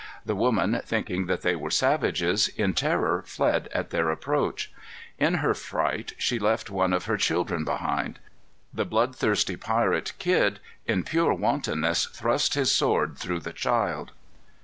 The woman, thinking that they were savages, in terror fled at their approach. In her fright she left one of her children behind. The bloodthirsty pirate, Kidd, in pure wantoness thrust his sword through the child.